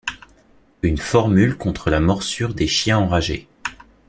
Une formule contre la morsure des chiens enragés.